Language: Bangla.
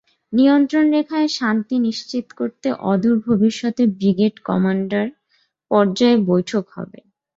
নিয়ন্ত্রণরেখায় শান্তি নিশ্চিত করতে অদূর ভবিষ্যতে ব্রিগেড কমান্ডার পর্যায়ে বৈঠক হবে।